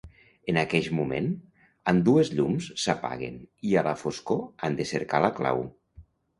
En aqueix moment, ambdues llums s'apaguen i a la foscor han de cercar la clau.